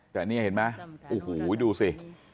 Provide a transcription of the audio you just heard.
แต่นี่เห็นไหมโอ้โหดูสิ